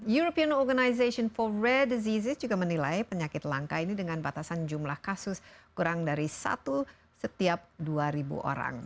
european organization for rate diseases juga menilai penyakit langka ini dengan batasan jumlah kasus kurang dari satu setiap dua ribu orang